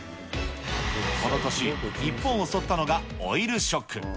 この年、日本を襲ったのがオイルショック。